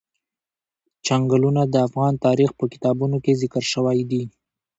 چنګلونه د افغان تاریخ په کتابونو کې ذکر شوی دي.